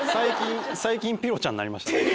最近「ぴろちゃん」になりましたね。